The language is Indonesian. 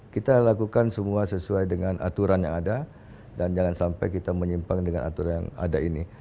kita lakukan semua sesuai dengan aturan yang ada dan jangan sampai kita menyimpang dengan aturan yang ada ini